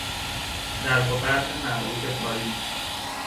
زرق و برق معروف پاریس